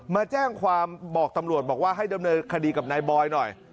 มาแจ้งความบอกตำรวจบอกว่าให้ดำเนินคดีกับนายบอยหน่อย